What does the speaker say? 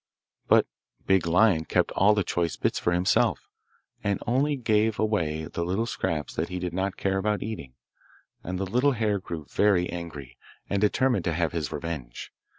But Big Lion kept all the choice bits for himself, and only gave away the little scraps that he did not care about eating; and the little hare grew very angry, and determined to have his revenge.